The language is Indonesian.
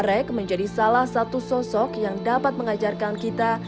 rek menjadi salah satu sosok yang dapat mengajarkan kita